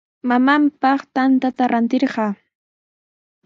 Mamaapaq tantata ratirquu.